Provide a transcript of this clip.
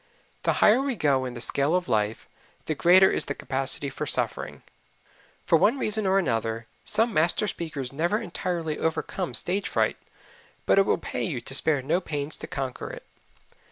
The higher we go in the scale of life, the greater is the capacity for suffering. For one reason or another, some master speakers never entirely overcome stage fright, but it will pay you to spare no pains to conquer it.